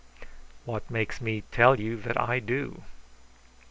"What makes me tell you that I do?"